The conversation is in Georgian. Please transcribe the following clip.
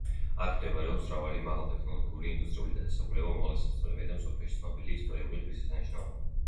აქ მდებარეობს მრავალი მაღალტექნოლოგიური ინდუსტრიული დაწესებულება, უმაღლესი სასწავლებელი და მსოფლიოში ცნობილი ისტორიული ღირსშესანიშნაობა.